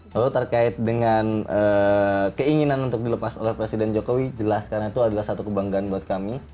lalu terkait dengan keinginan untuk dilepas oleh presiden jokowi jelas karena itu adalah satu kebanggaan buat kami